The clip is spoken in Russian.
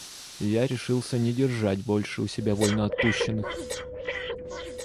Я решился не держать больше у себя вольноотпущенных.